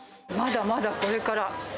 まだまだこれから！